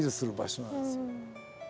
そうなんですよ。